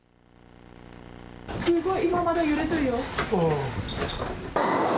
すごい、今まだ揺れてるよ。